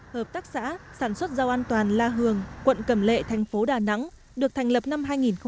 hợp tác xã sản xuất rau an toàn la hường quận cẩm lệ thành phố đà nẵng được thành lập năm hai nghìn một mươi bảy